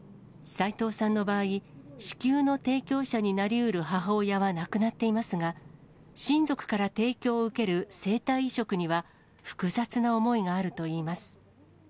斉藤さんの場合、子宮の提供者になりうる母親は亡くなっていますが、親族から提供を受ける生体移植には、複雑な思いがあるといいます。